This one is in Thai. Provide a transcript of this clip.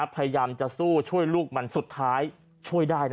พยายามจะสู้ช่วยลูกมันสุดท้ายช่วยได้